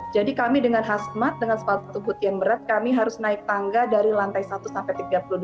jadi kami dengan khas mat dengan sepatu putih yang berat kami harus naik tangga dari lantai satu sampai tiga puluh dua